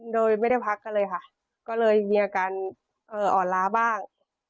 โดยไม่ได้พักกันเลยค่ะก็เลยมีอาการอ่อนล้าบ้าง